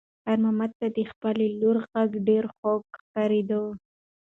خیر محمد ته د خپلې لور غږ ډېر خوږ ښکارېده.